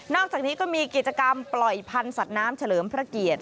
อกจากนี้ก็มีกิจกรรมปล่อยพันธุ์สัตว์น้ำเฉลิมพระเกียรติ